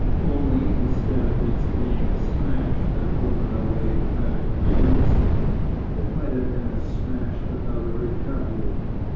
Only instead of its being a smash that opened a way to better things, it might have been a smash without a recovery.